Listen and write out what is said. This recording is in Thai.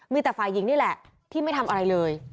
มีแต่ฝ่ายหญิงนี่แหละที่ไม่ทำอะไรเลย